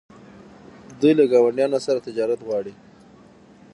دوی له ګاونډیانو سره تجارت غواړي.